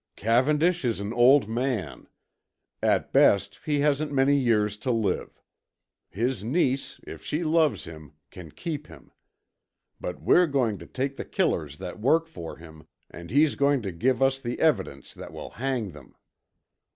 "Cavendish is an old man. At best he hasn't many years to live. His niece, if she loves him, can keep him. But we're going to take the killers that work for him and he's going to give us the evidence that will hang them."